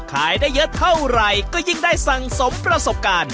ขายได้เยอะเท่าไหร่ก็ยิ่งได้สั่งสมประสบการณ์